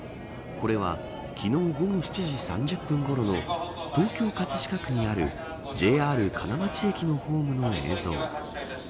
これは昨日午後７時３０分ごろの東京、葛飾区にあるＪＲ金町駅のホームの映像。